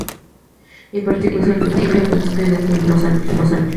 En particular, Quine usa el principio en este último sentido, más amplio.